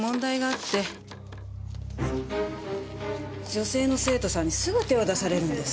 女性の生徒さんにすぐ手を出されるんです。